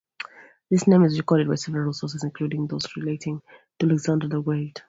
This name is recorded by several sources, including those relating to Alexander the Great.